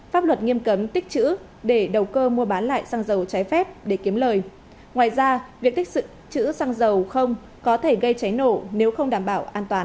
pháp luật nghiêm cấm tích chữ để đầu cơ mua bán lại xăng dầu trái phép để kiếm lời ngoài ra việc tích chữ xăng dầu không có thể gây cháy nổ nếu không đảm bảo an toàn